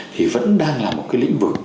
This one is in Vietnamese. thì vẫn đang là một cái lĩnh vực